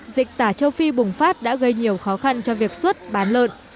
dịch tả châu phi bùng phát đã gây nhiều khó khăn cho việc xuất bán lợn